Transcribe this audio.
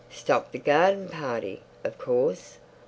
"Stop the garden party, of course."